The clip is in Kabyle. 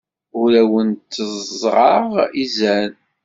Ur awen-tteẓẓɛeɣ izan.